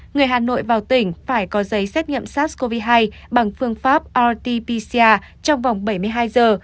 người hà nội vào tỉnh phải có giấy xét nghiệm sars cov hai bằng phương pháp rt pcr trong vòng bảy mươi hai giờ